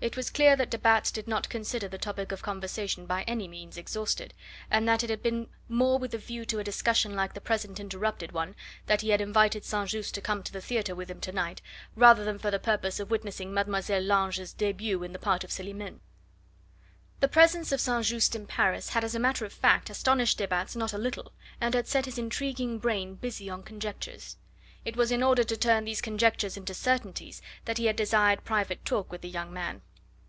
It was clear that de Batz did not consider the topic of conversation by any means exhausted, and that it had been more with a view to a discussion like the present interrupted one that he had invited St. Just to come to the theatre with him to night, rather than for the purpose of witnessing Mlle. Lange's debut in the part of Celimene. The presence of St. Just in Paris had as a matter of fact astonished de Batz not a little, and had set his intriguing brain busy on conjectures. It was in order to turn these conjectures into certainties that he had desired private talk with the young man.